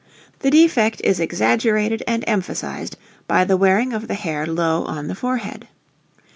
The defect is exaggerated and emphasized by the wearing of the hair low on the forehead.